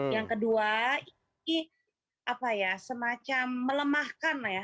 yang kedua ini apa ya semacam melemahkan ya